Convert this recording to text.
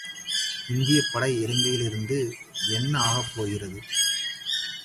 இந்தியப்படை இலங்கையில் இருந்து என்ன ஆகப் போகிறது?